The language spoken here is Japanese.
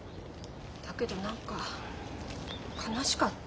だけど何か悲しかった。